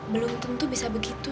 belum tentu bisa begitu